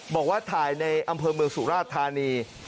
บอกว่าถ่ายในอำเภอเมืองสุราชธานี